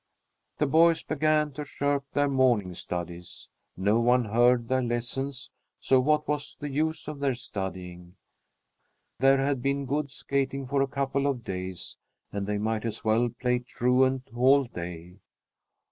The boys began to shirk their morning studies. No one heard their lessons, so what was the use of their studying? There had been good skating for a couple of days and they might as well play truant all day.